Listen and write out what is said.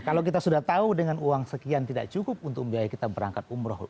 kalau kita sudah tahu dengan uang sekian tidak cukup untuk biaya kita berangkat umroh